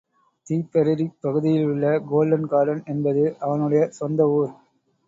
திப்பெரரிப் பகுதியிலுள்ள golden garden என்பது அவனுடைய சொந்த ஊர்.